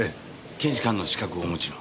検視官の資格をお持ちの？